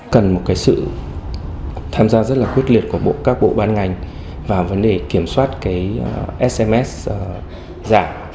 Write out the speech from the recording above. cần một cái sự tham gia rất là quyết liệt của các bộ ban ngành vào vấn đề kiểm soát cái sms giảm